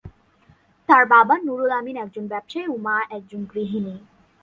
তার বাবা নুরুল আমিন একজন ব্যবসায়ী ও মা একজন গৃহিণী।